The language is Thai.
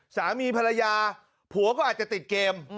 สามีภรรยาผัวก็อาจจะติดเกม